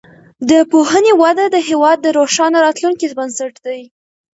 د پوهنې وده د هیواد د روښانه راتلونکي بنسټ دی.